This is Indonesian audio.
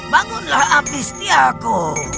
bangunlah abis tiaku